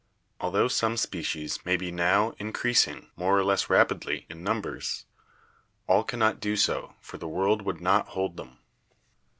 Altho some species may be now in creasing, more or less rapidly, in numbers, all cannot do so, for the world would not hold them.